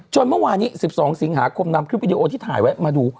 เมื่อวานนี้๑๒สิงหาคมนำคลิปวิดีโอที่ถ่ายไว้มาดู